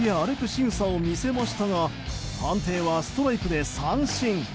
しぐさを見せましたが判定はストライクで三振。